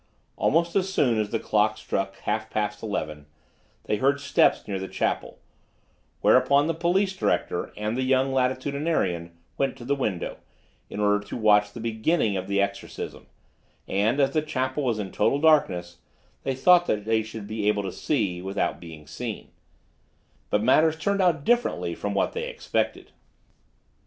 Almost as soon as the clock struck half past eleven, they heard steps near the chapel, whereupon the police director and the young Latitudinarian went to the window, in order to watch the beginning of the exorcism, and as the chapel was in total darkness, they thought that they should be able to see, without being seen; but matters turned out differently from what they expected.